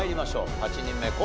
８人目昴